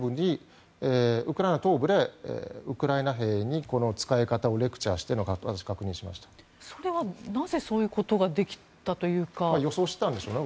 ウクライナ東部でウクライナ兵に使い方をレクチャーしているのをそれはなぜそういうことができたというか恐らく予想していたんでしょうね。